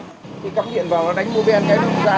cắm điện vào nó đánh bô ven cái lúc ra